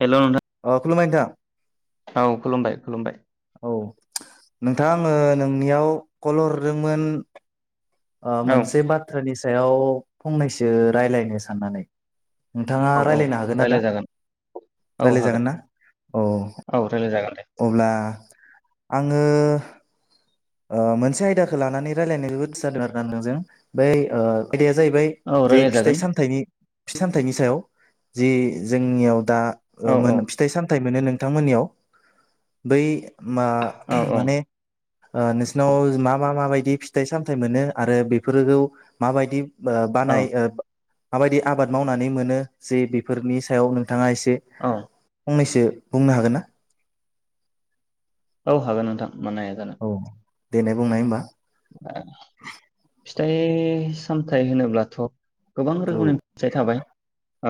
Hello अह खुलुमबाय नोंथां। औ खुलुमबाय खुलुमबाय। औ नोंथां आङो नोंनियाव कल हरदोंमोन ओ औ मोनसे बाथ्रानि सायाव फंनैसो रायज्लायनो साननानै। नोंथाङा औ औ रायलायनो हागोन ना दा रायज्लायजागोन औ हागोन रायलायजागोन ना औ औ रायज्लायजागोन दे अब्ला आङो ओ मोनसे आयदाखो लानानै रायलायनो जोबोद गोसो जादों आरोना नोंथांजों बै ओ आयदाया जाहैबाय औ जे फिथाइ रायज्लायजागोन सामथाइनि फिथाइ सामथायाइनि सायाव जि जोंनियाव दा ओ औ औ मोनो फिथाइ साम फिथाइ मोनो नोंथांमोननियाव बै मा औ औ माने ओ नोंसोरनाव मा मा मा बायदि फिथाइ सामथाइ मोनो आरो बेफोरखौ माबायदि ओ औ बानाय ओ माबादि आबाद मावनानै मोनो जे बिफोरनि सायाव नों थाङा एसे औ फंनैसो बुंनो हागोन ना? औ हागोन नोंथां। मानो हाया जानो। औ देनाय बुंनाय होमबा। फिथाइ सामथाइ होनोब्लाथ' गोबां औ रोखोमनि फिथाइ थाबाय।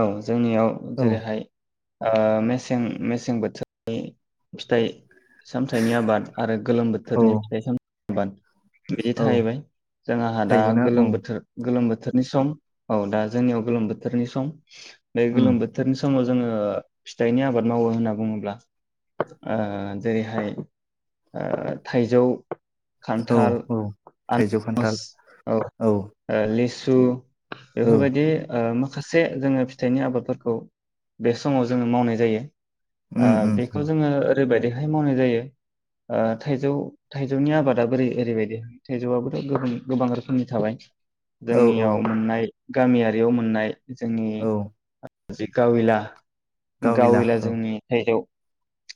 औ। जोंनियाव औ जेरैहाय ओ मेसें मेसें बोथोरनि फिथाइ सामथाइनि आबाद आरो गोलोम औ बोथोरनि फिथाइ साम [inaudible] बिदि औ थाहैबाय जोङाहा दा थाइबेंआ औ गोलोम बोथोर गोलोम बो बोथोरनि सम औ दा जोंनियाव गोलोम बोथोरनि सम। बे उम गोलोम बोथोरनि समाव जोङो फिथाइनि आबाद मावो होनना बुङोब्ला ओ जेरैहाय थाइजौ, औ खान्थाल, [unintelligible] औ थाइजौ औ खान्थाल ओ औ लिस सु औ बेफोरबायदि ओ माखासे जोङो फि फिथाइनि आबादफोरखौ बे समाव जोङो मावनाय जायो। ओ उम उम बेखौ जोङो ओरैबायदिहाय मावनाय जायो ओ थाइजौ थाइजौनि आबादा जेरै ओरैबायदि थाइजौआबोथ' गोबों गोबां रोखोमनि थाबाय। औ औ जोंनियाव मोननाय। गामियारियाव मोननाय। जोंनि औ जि गावैला गाविला गावैला औ जोंनि थाइजौ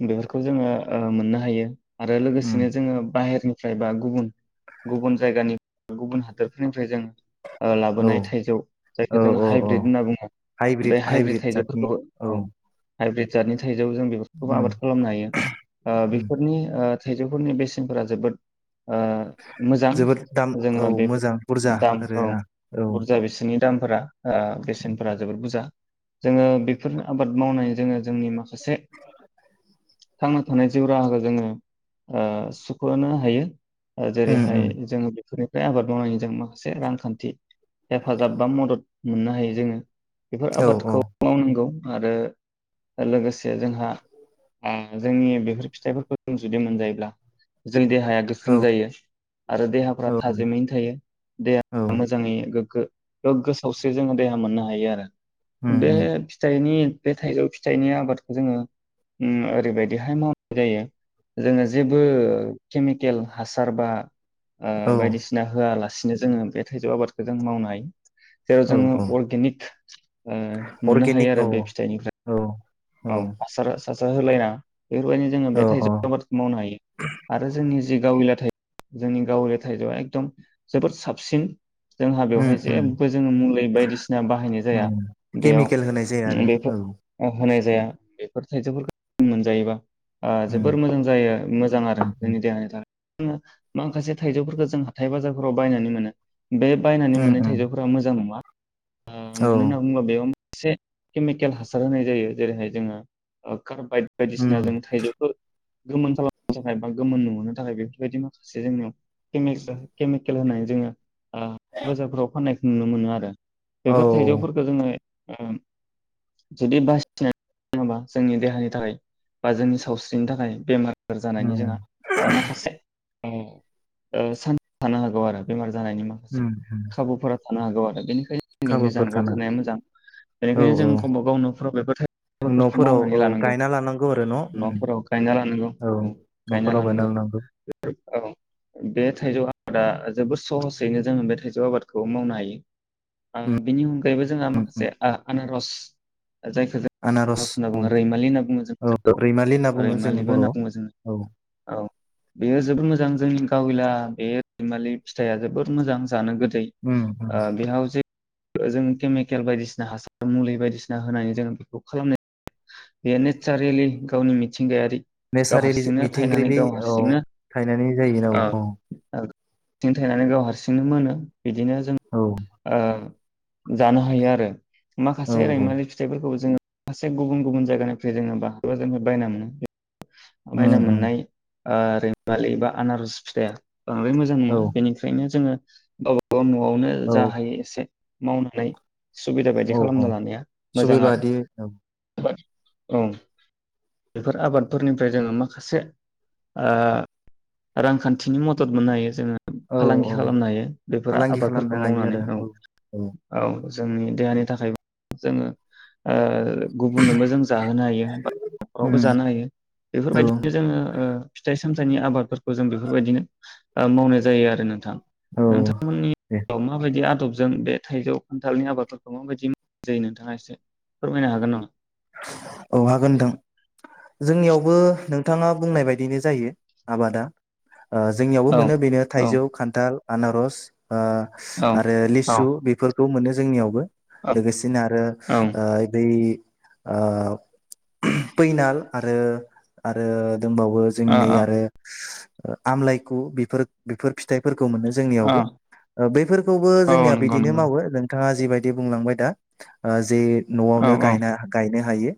बेफोरखौ जोङो ओ मोननो हायो। आरो उम लोगोसेनो जोङो बाहेरनि फ्रायबा गुबुन गुबुन जायगानि गुबुन हादरफोरनिफ्राय जों ओ औ लाबोनाय थाइजौ औ जायखौ जों औ औ हाइब्रिद होनना बुङो बे हाइब्रिद थाइजौफोरखौ ओं हाइब्रिड जादनि थाइजौ जों बेफोरखौबो उम आबाद खालामनो हायो ओ उम बेफोरनि ओ थाइजौफोरनि बेसेनफोरा जोबोद ओ मोजां जोबोद दाम औ जोङो बे मोजां बुरजा आरो दामखौ औ बुरजा बिसोरनि दाम फोरा ओ बेसेनफोरा जोबोद बुजा जोङो बेफोर आबाद मावनाय जोङो जोंनि माखासे थांना थानाय जिउ राहाखौ जोङो ओ सुखनो हायो। ओ उम जेरैहाय उम। जोङो बेफोरनिफ्राय आबाद मावनायनि जों माखासे रांखान्थि हेफाजाब बा मदद मोननो हायो जोङो। बेफोर औ औ आबादखौ मावनांगौ आरो लोगोसे जोंहा आ जोंनि बेफोर फिथाइफोरखौ जों जुदि मोनजायोब्ला जों देहाया औ गोख्रों जायो। आरो देहाफ्रा औ थाजिमैनो थायो औ देहा मोजाङैनो गोग्गो गोग्गो सावस्रिजों जोङो देहा मोननो हायो आरो उम बे उम फिथाइनि बे थाइजौ फिथाइनि आबादखौ जोङो उम ओरैबायदिहाय मावनाय जायो जोङो जेबो केमिकेल हासार बा आ औ बायदिसिना होआलासे नो जोङो बे थाइजौ आबादखौ जों मावनाय। जेराव औ जोङो औ अर्गेनिक ओ मोननो अर्गेनिक हायो आरो औ बे फिथाइनिफ्राय औ औ आसार सा सा होलायना। बेफोरबायदिनो जोङो औ बेथाइ औ [unintelligible] मावनो हायो आरो जोंनि जि गावलिया थाइ जोंनि गाविलाया थाइजौआ एकदम जोबोद साबसिन। जोंहा उम बेवहाय उम जेबो जोङो मुलि बायदिसिना बाहायनाय उम जाया बेयाव केमिकेल होनाय जाया आरो औ बेफोर अ। होनाय जाया बेफोर थाइजौफोरखौ [unintelligible] मोनजायोबा आ उम जोबोर मोजां जायो मोजां आरो उम जोंनि देहानि थाखाय। ओं माखासे थाइजौफोरखौ जों हाथाय बाजारफोराव बायनानै मोनो। बे बायनानै उम मोननाय उम थाइजौफोरा मोजां नङा। आ औ मानो होनोबा बेयाव। एसे केमिकेल हासार होनाय जायो जेरैहाय जोङो ओ -' खारबाय बायदिसिना उम जों थाइजौखौ गोमोन खालामनो थाखाय बा गोमोन नुहोनो थाखाय बेफोरबायदि माखासे जोंनियाव केमिकेल केमिकेल होननानै जोङो ओ बाजारफोराव फाननाय नुनो मोनो आरो। औ बेफोर उम थाइजौफोरखौ जोङो ओं जदि बास [unintelligible] जोंनि देहानि थाखाय। बा जोंनि सावस्रिनि थाखाय बेमार जानायनि जोंहा माखासे। अ अ साननो हागौ आरो। बेमार जानायनि माखासे उम उम खाबुफोरा थानो हागौ आरो बेनिखा [unintelligible] खाबुफोर जानगाराव थानो थानाया मोजां। औ बेनिखायनो जों औ गावबा गाव नफ्राव बेफोर आबादफोरखौ नफोराव मावनानै औ लानांगौ गायना लानांगौ आरो न? औ नफोराव गायना लानांगौ। औ बे थाइजौ आबादा जोबोद सहसैनो जोङो बे थाइजौ आबादखौ मावनो हायो। आं उम बिनि अनगायैबो जोंहा उम उम माखासे आनारस जाय आनारस होनना बुङो रैमालि होनना बुङो औ जों रैमालि होनना बुङो जोङो रैमालिबो होनना बर'आव बुङो जोङो। औ औ बेयो जोबोद मोजां जोंनि गावैला बे रैमालि फिथाइआ जोबोर मोजां। जानो गोदै, उम उम ओ बेयाव जे जों केमिकेल बायदिसिना हासार मुलि बायदिसिना होनानै जोङो बेखौ खालाम [unintelligible] बेयो नेचारेलि गावनि मिथिंगायारि गाव नेसारेलि हारसिंनो थायनानै मिथिंगायारि गाव अ हारसिंनो थायनानै जायो औ औ। थिं थायनानै गाव हारसिंनो मोनो। बिदिनो जों औ ओ जानो हायो आरो। औ माखासे औ रैमालि फिथाइफोरखौ जोङो माखासे गुबुन गुबुन जायगानिफ्राय जोङो बा जों बायना मोनो। उम बायना उम मोननाय ओ रैमालि एबा आनारस फिथाइया बांद्राय मोजां नङा औ बेनिखायनो जोङो गावबागाव न' आवनो औ जा हायो एसे मावनानै सुबिदा बायदि औ खालामना औ लानाया मोजां आरो। सुबैबादि औ बा औ बेफोर आबादफोरनि फ्राय जोङो माखासे ओ रांखान्थिनि मदद मोननो हायो जोङो औ फालांगि औ खालामनो हायो बेफोर फालांगि खालामनो आबादफोरखौ हायो मावनानै आरो औ औ औ। जोंनि देहानि थाखायबो जोङो-् ओ गुबुननोबो जों जाहोनो हायो, बा उम न'खरावबो जानो हायो। औ बेफोरबायदिनो जोङो ओ फिथाइ सामथाइनि आबादफोरखौ जों बेफोरबायदिनो मावनाय जायो आरो नोंथां। औ नोंथांमोननि दे जायगायाव माबायदि आदब जों बे थाइजौ खान्थालनि आबादफोरखौ माबायदि जायो नोंथाङा एसे फोरमायनो हागोन नामा? औ हागोन नोंथां। जोंनियावबो नोंथाङा बुंनाय बायदिनो जायो आबादा ओ जोंनियावबो औ मोनो बेनो औ थाइजौ, खान्थाल, आनारस ओ औ आरो औ लिसु बेफोरखौ मोनो। जोंनियावबो। औ लोगोसेनो आरो आ बै ओ फैनाल आरो आरो दंबावो जों नै आरो आमलाइखौ बिफोर-बिफोर फिथाइफोर खौ मोनो जोंनियावबो। ओ बैफोरखौबो ओ औ जोंनिया नंगौ बिदिनो मावो नोंथाङा जिबायदि बुंलांबाय दा ओ जे नंगौ औ न'आवनो औ गायना नो हायो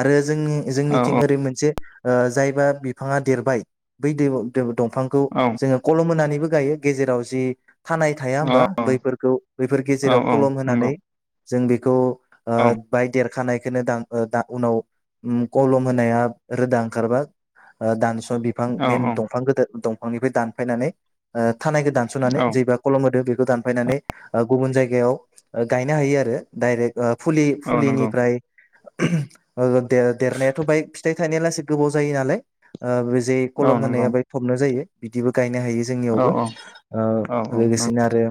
आरो जोंनि औ जोंनिथिं ओरै मोनसे ओ जायबा बिफाङा देरबाय बै [unintelligible] दंफांखौ जोङो खलम होनानै बो गायो गेजेराव जि थानाय थाया होमबा औ बैफोरखौ बैफोर औ गेजेराव खलम औ होनानै नंगौ जों बेखौ आ औ बाय देर खानाय [unintelligible] उनाव उम खलम होनाया रोदा ओंखारबा ओ दान बिफां औ मेइन दंफां गोदो दं फांनिफ्राय दानफायनानै ओ थानायखौ दानसनानै औ जैबा खलम होदो बे दानफायनानै ओ गुबुन जायगायाव गायनो हायो आरो डाइरेक। ओ औ नंगौ फुलि-फुलिनिफ्राय। ओ देर-देरनायाथ बायक फिथाइ थानाया लासै गोबाव जायो नालाय ओ जे औ कलम नंगौ होनाया बे थबनो जायो। बिदिबो गाय नो हायो औ जोंनियावबो। ओ औ औ लोगोसेनो आरो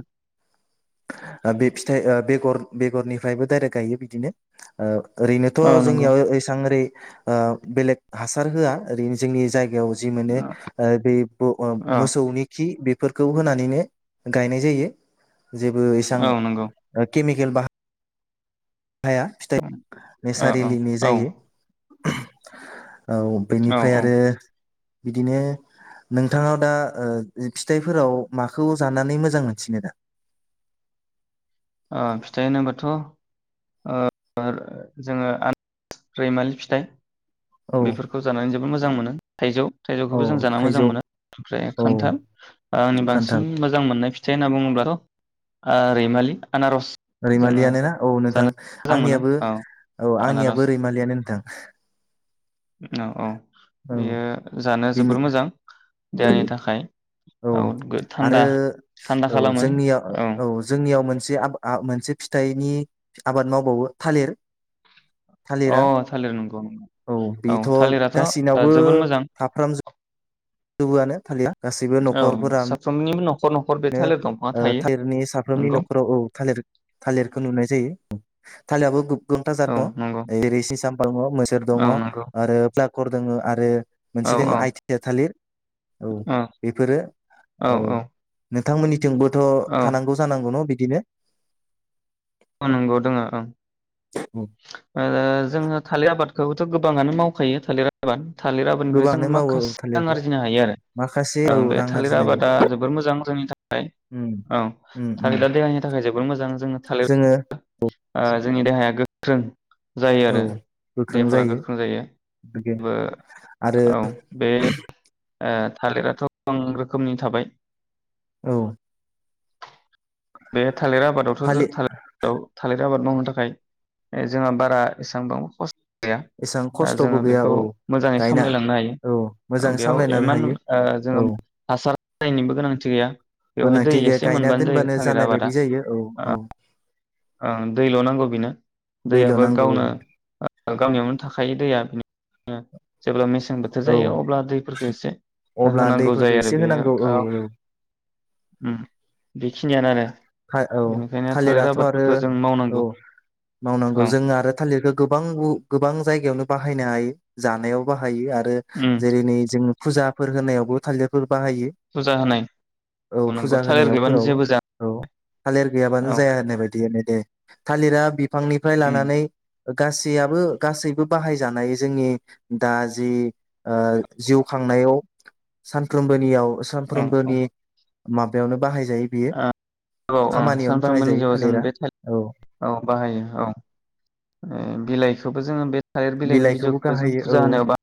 बे फिथाइ बेगर बेगरनिफ्रायबो डाइरेक्ट गायो बिदिनो। ओ ओरैनोथ औ नंगौ जोंनियाव एसां ओरै। ओ बेलेग हासार होआ ओरैनो जोंनि जाय बेयाव जि मोनो ओ बे बु ओ औ मोसौनि खि बे। फोरखौ होनानैनो गायनाय जायो। जेबो इसां औ नंगौ केमि गेल बा हाया फिथाइ औ औ नेसारिलिनि औ जायो। औ औ बेनिफ्राय औ आरो। बिदिनो नोंथांङा दा ओ फिथाइफोराव माखौ जानानै मोजां मोनसिनो दा। ओ जोंङो आन रैमालि फिथाइ। औ बेफोरखौ जानानै जोब मोजां मोनो थाइजौ। औ थाइजौखौबो जों जाना मोजां थाइजौ मोनो ओमफ्राय औ खान्थाल आंनि खान्थाल बांसिन मोजां मोननाय फि से होनना बुङोब्लाथ ओ रैमालि। आनारस जोङो रैमालियानो ना औ नोंथां जानो मोजां मोनो आंनियाबो औ औ आनारस आंनियाबो रैमालियानो नोंथां। औ औ औ बेयो जानो बिनि जोबोर मोजां। जायनि थाखाय औ थान्दा आरो थान्दा औ खालामो जोंनिया औ जोंनियाव मोन थि आब आ मोनसे फिथाइनि आबाद मावबावो थालिर अ थालिरा थालिर नंगौ औ बेथ गासिनावबो जोबोद मोजां थाफ्रामजो बो आनो थालिरआ। औ साफ्रोमनिबो न' नो ओ थालिरनि साफ्रोमनि नंगौ न'खराव औ थालिर थालिरखौ नुनाय जायो। थाललियाबो गो बांथा जाद औ दङ नंगौ ओरै सि साम्फा दङ मोसोेर दङ औ नंगौ आरो फ्लाग कर दोङो आरो औ मोनसे दोङो आइथिआ थालिर औ बेफोरो औ। नोंथांमोननि थिंबोथ' औ थानांगौ जानांगौ न' बि बिदिनो ओ नोंगौ दङ ओं ओ जोङो थालिर आबाद खौथ गोबाङानो मावखायो थालिर आबाद थालिर आबादनिफ्राय गोबाङानो जोङो मावो औ माखासे रां थालिरखौ आरजिनो हायो आरो माखासे औ ओं बे रां थालिर आरजिनो हायो आबादा जोबोर मोजां जोंनि थाखाय उम औ उम उम थालिरा देहानि थाखाय जोबोर मोजां जोङो थालिर [unintelligible] ओ जोंनि देहाया गोख्रों जायो औ आरो देहाफोरा गोख्रों जायो बिदि जेबो आरो औ बे ओ थालिराथ गोबां रोखोमनि थाबाय औ बे थालिर आबादावथ थालिर औ थालिर आबाद मावनो थाखाय जोंहा बारा एसेबा खस्थ गैया एसेबां ओ खस्थ'बो जोङो गैया बेखौ औ मोजाङै गायना सामलायलांनो हायो। औ ओ मोजां बेयाव सामलायना इमान हायो औ जोङो हासार जायनिबो गोनांथि गैया बेवहाय दै गोनांथि गैया एसे गायना मोनबानो जायो दोनबानो थालिर जानाय बायदि आबादा जायो औ ओ औ ओं दैल नांगौ बेनो दैल' दैयाबो नांगौ गावनो ओ गावनियावनो थाखायो दैया ओ जेब्ला मे मेसें बोथोर औ जायो अब्ला दैफोरखौ एसे अब्ला होनांगौ दैफोरखौ जायो एसे आरो बेयो होनांगौ औ ओ उम बेखिनियानो आरो बेनिखायनो थालिर आबाद ओ औ मावनांगौ औ जों आरो थालिरखौ गोबां गोबां जायगायावनो बाहायनो हायो। जानायाव बाहायो आरो। आरो जेरै नै जों फुजाफोर होनायावबो थालिरफोर बाहायो फुजा होनाय औ अ फुजा नंगौ थालिर गैयाबानो होनायावफोरावबो जेबो ज औ थालिर गैयाबानो जाया होननाय बायदि होननाय दे थालिरा बिफांनिफ्राय उम लानानै गासैयाबबो गासैबो बाहायजानाय जोंनि दा जि ओ जिउ खांनायाव सानफ्रोमबोनियाव औ सानफ्रोमबोनि माबायावनो बाहायजायो बेयो। नंगौ औ सानफ्रोमबोनि जिउआव जों बे थालि औ औ बाहायो औ ओ बिलाइखोबो जोङो बे थालिर बिलाइनि बिलाइखौबो बिजौखौबो जों बाहायो औ फुजा होनायाव बा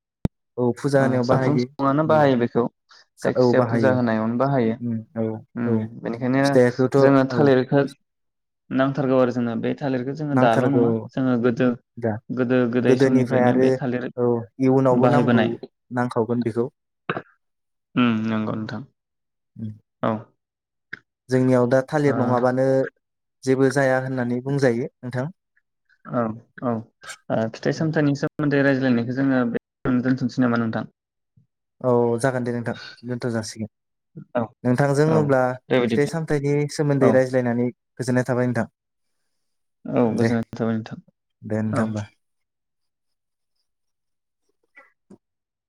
औ फुजा होनायाव साफ्रोम बाहायो सुबुङानो औ बाहायो बेखौ जा औ जायखिजाया फुजा बाहायो होनायावनो बाहायो उम औ उम औ बेनिखायनो फिथाइखौथ' जोङो औ थालिरखौ नांथारगौ आरो जोंनो बे थालिरखौ जोङो दाल' नांथारगौ नङा औ जोङो गोदो दा गोदोगोदाय गोदोनिफ्राय समनिफ्रायनो आरो बे थालिर औ इयुनावबो नांगौ बाहायबोनाय नांखावगोन बेखौ उम नंगौ नोंथां औ जोंनियाव दा थालिर ओ नङाबानो जेबो जाया होन्नानै बुंजायो। नोंथां औ औ ओ फिथाइ सामथाइनि सोमोन्दै राय नायखौ जोङो बे दोनथ'नोसै नामा नोंथां औ जागोन दे नोंथां दोनथ' जासिगोन औ नोंथांजों औ अब्ला दे फिथाइ बिदिब्ला। सामथाइनि औ सोमोन्दै रायज्लायनानै गोजोन्नाय थाबाय नोंथां। औ दे गोजोन्नाय थाबाय नोंथां दे औ। नोंथां होमबा [inaudible]